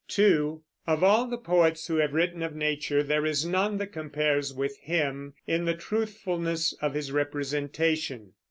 (2) Of all the poets who have written of nature there is none that compares with him in the truthfulness of his representation.